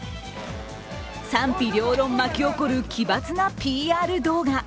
賛否両論巻き起こる奇抜なＰＲ動画。